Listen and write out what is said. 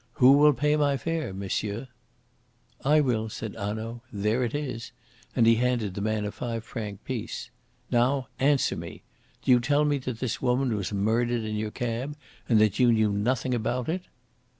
Who will pay my fare, monsieur?" "I will," said Hanaud. "There it is," and he handed the man a five franc piece. "Now, answer me! Do you tell me that this woman was murdered in your cab and that you knew nothing about it?"